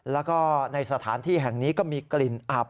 แล้วก็ในสถานที่แห่งนี้ก็มีกลิ่นอับ